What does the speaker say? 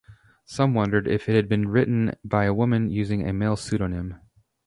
Some wondered if it had been written by a woman using a male pseudonym.